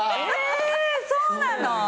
えそうなの？